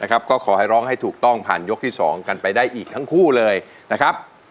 ก็ขอให้ร้องให้ถูกต้องผ่านยกที่๒กันไปได้อีกทั้งคู่เลยนะครับ